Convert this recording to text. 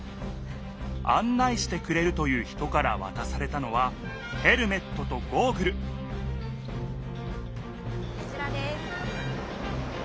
案内してくれるという人からわたされたのはヘルメットとゴーグルこちらです。